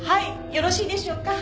よろしいでしょうか？